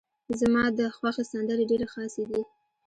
زما ده خوښې سندرې ډيرې خاصې دي.